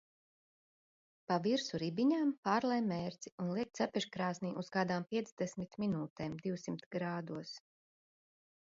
Pa virsu ribiņām pārlej mērci un liek cepeškrāsnī uz kādām piecdesmit minūtēm divsimt grādos.